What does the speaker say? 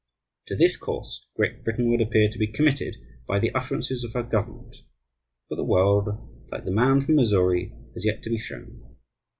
To this course Great Britain would appear to be committed by the utterances for her government. But the world, like the man from Missouri, has yet to be "shown."